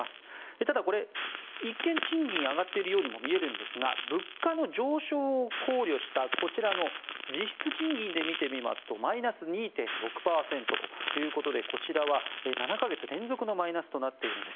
ただ、これ一見賃金が上がっているようにも見えるんですが物価の上昇を考慮したこちらの実質賃金で見てみますとマイナス２．６％ということでこちらは７か月連続のマイナスとなっているんです。